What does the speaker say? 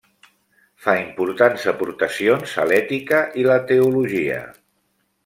Fa importants aportacions a l'ètica i la teologia.